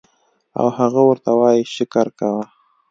او هغه ورته وائي شکر کوه